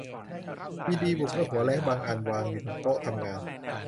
มีดีบุกและหัวแร้งบางอันวางอยู่บนโต๊ะทำงาน